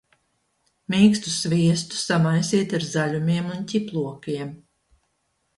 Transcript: Mīkstu sviestu samaisiet ar zaļumiem un ķiplokiem.